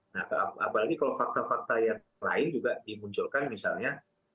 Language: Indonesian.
nah apalagi kalau fakta fakta yang lain juga dimunculkan misalnya